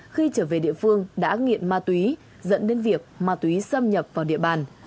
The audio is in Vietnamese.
khi trở về địa phương đã nghiện ma túy dẫn đến việc ma túy xâm nhập vào địa bàn